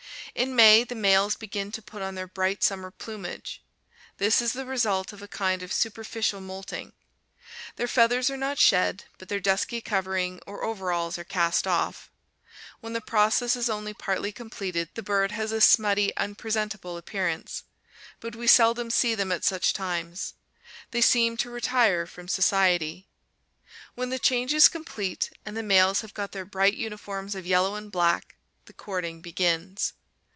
In May the males begin to put on their bright summer plumage. This is the result of a kind of superficial moulting. Their feathers are not shed, but their dusky covering or overalls are cast off. When the process is only partly completed, the bird has a smutty, unpresentable appearance. But we seldom see them at such times. They seem to retire from society. When the change is complete, and the males have got their bright uniforms of yellow and black, the courting begins.